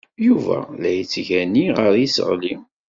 Yuba la k-yettgani ɣer yiseɣli.